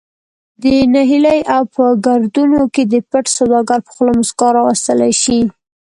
د نهیلي او په گردونو کی د پټ سوداگر په خوله مسکا راوستلې شي